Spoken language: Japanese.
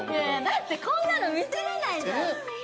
だってこんなの見せれないじゃんえっ？